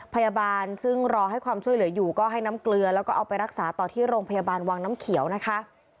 พยาบาลซึ่งรอให้ความช่วยเหลืออยู่ก็ให้น้ำเกลือแล้วก็เอาไปรักษาต่อที่โรงพยาบาลวังน้ำเขียวนะคะ